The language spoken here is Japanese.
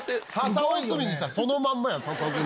そのまんまや笹炭。